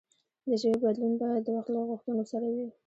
د ژبې بدلون باید د وخت له غوښتنو سره وي.